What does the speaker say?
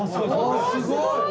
おすごい！